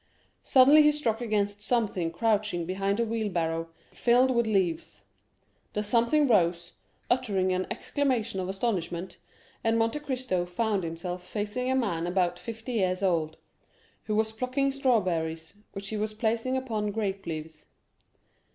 Suddenly he struck against something crouching behind a wheelbarrow filled with leaves; the something rose, uttering an exclamation of astonishment, and Monte Cristo found himself facing a man about fifty years old, who was plucking strawberries, which he was placing upon grape leaves.